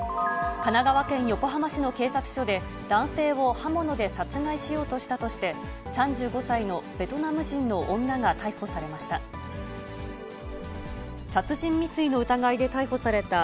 神奈川県横浜市の警察署で、男性を刃物で殺害しようとしたとして、３５歳のベトナム人の女が逮捕されました。